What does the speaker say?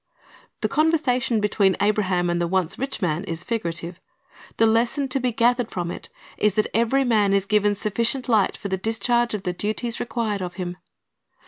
The conversation between Abraham and the once rich man is figurative. The lesson to be gathered from it is that every man is given sufficient light for the discharge of the duties required of him.